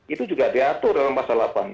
itu juga diatur dalam pasal delapan belas